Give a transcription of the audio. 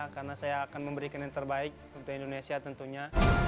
karena saya akan memberikan yang terbaik untuk indonesia tentunya